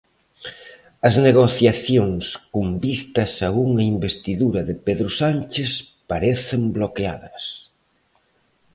As negociacións con vistas a unha investidura de Pedro Sánchez parecen bloqueadas.